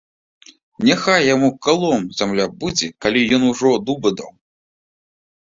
Няхай яму калом зямля будзе, калі ён ужо дуба даў.